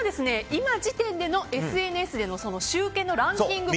今時点でのＳＮＳでの集計のランキング